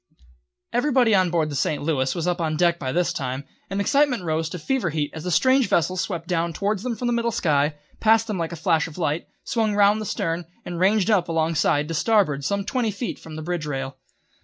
Everybody on board the St. Louis was up on deck by this time, and the excitement rose to fever heat as the strange vessel swept down towards them from the middle sky, passed them like a flash of light, swung round the stern, and ranged up alongside to starboard some twenty feet from the bridge rail.